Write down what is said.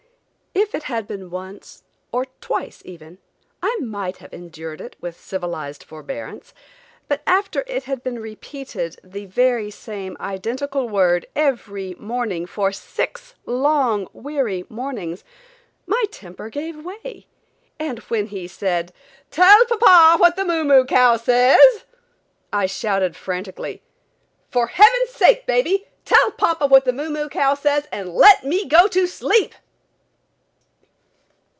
If it had been once, or twice even, I might have endured it with civilized forbearance but after it had been repeated, the very same identical word every morning for six long weary mornings, my temper gave way and when he said: "Tell papa what the moo moo cow says?" I shouted frantically: "For heaven's sake, baby, tell papa what the moo moo cow says and let me go to sleep."